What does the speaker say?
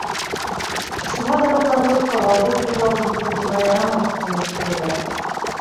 Шуға дарыуҙарҙы, ҡоралды күҙ алдында тоторға ярамай, тип кәңәш бирәләр.